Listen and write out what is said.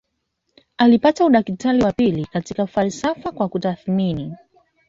Alipata udaktari wa pili katika falsafa kwa kutathmini